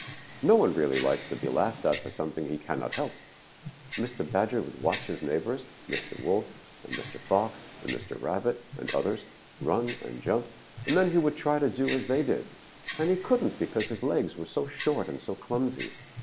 No one really likes to be laughed at for something he cannot help. Mr. Badger would watch his neighbors, Mr. Wolf and Mr. Fox and Mr. Rabbit and others, run and jump, and then he would try to do as they did, and he couldn't because his legs were so short and so clumsy.